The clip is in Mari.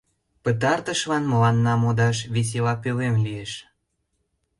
— Пытартышлан мыланна модаш весела пӧлем лиеш!